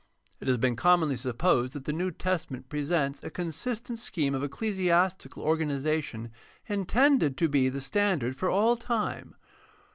It has been com monly supposed that the New Testament presents a consistent scheme of ecclesiastical organization intended to be the stand ard for all time.